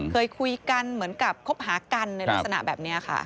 เคยคุยกันเหมือนกับคบหากันในลักษณะแบบนี้ค่ะ